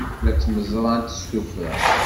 La ttmeẓrant s tuffra.